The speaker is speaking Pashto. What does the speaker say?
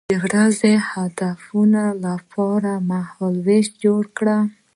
د ورځني اهدافو لپاره یو مهالویش جوړ کړه.